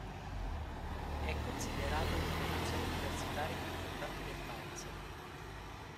È considerato uno dei musei universitari più importanti del paese.